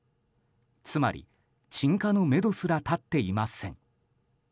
つまり鎮火のめどすら立っていません。